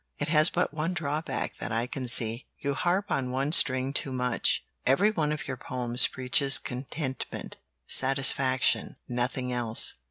It has but one drawback that I can see. You harp on one string too much. Every one of your poems preaches contentment, satisfaction nothing else."